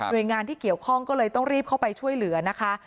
โดยงานที่เกี่ยวข้องก็เลยต้องรีบเข้าไปช่วยเหลือนะคะ